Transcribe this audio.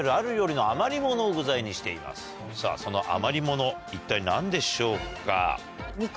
その余り物一体何でしょうか？